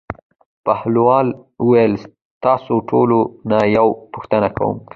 بهلول وویل: تاسو ټولو نه یوه پوښتنه کوم.